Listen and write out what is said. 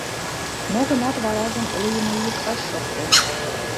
Мо-гынат, варажым лӱйымӧ йӱк ыш шокто.